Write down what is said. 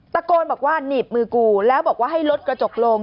ตะโกนบอกว่าหนีบมือกูแล้วบอกว่าให้รถกระจกลง